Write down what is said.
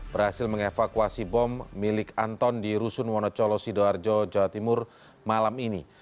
berhasil mengevakuasi bom milik anton di rusun wonocolo sidoarjo jawa timur malam ini